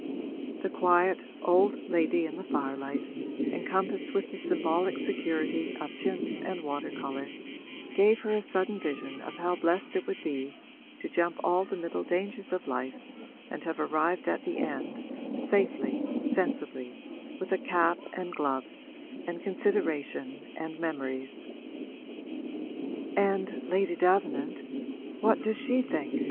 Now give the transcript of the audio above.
The quiet old lady in the firelight, encompassed with the symbolic security of chintz and water colour, gave her a sudden vision of how blessed it would be to jump all the middle dangers of life and have arrived at the end, safely, sensibly, with a cap and gloves and consideration and memories. 'And, Lady Davenant, what does she think?'